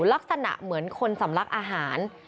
ลักษณะเหมือนคนสำลักอาหาร